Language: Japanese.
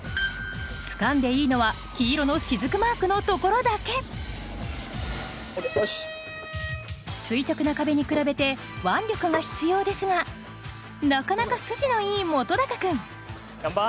つかんでいいのは黄色の滴マークのところだけ垂直な壁に比べて腕力が必要ですがなかなか筋のいい本君ガンバ！